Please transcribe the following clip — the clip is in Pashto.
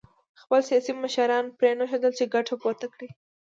خپل سیاسي مشران پرېنښودل چې ګټه پورته کړي